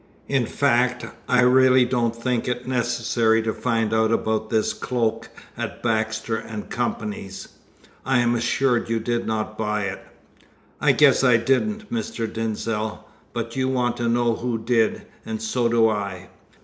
"In fact, I really don't think it is necessary to find out about this cloak at Baxter & Co.'s. I am assured you did not buy it." "I guess I didn't, Mr. Denzil; but you want to know who did, and so do I.